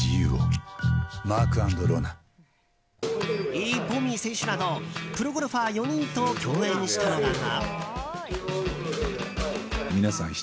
イ・ボミ選手などプロゴルファー４人と共演したのだが。